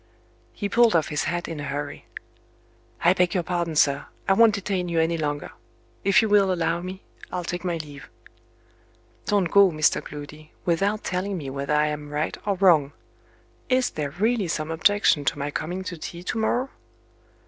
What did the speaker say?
He pulled off his hat in a hurry. "I beg your pardon, sir; I won't detain you any longer. If you will allow me, I'll take my leave." "Don't go, Mr. Gloody, without telling me whether I am right or wrong. Is there really some objection to my coming to tea tomorrow?"